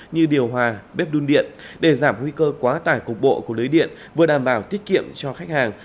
như điều hòa bếp đun điện để giảm nguy cơ quá tải cục bộ của lưới điện vừa đảm bảo tiết kiệm cho khách hàng